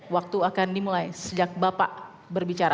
waktu akan dimulai sejak bapak berbicara